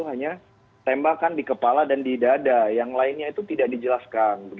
hanya tembakan di kepala dan di dada yang lainnya itu tidak dijelaskan